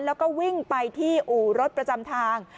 แล้วก็วิ่งไปที่อู่รถประจำทาง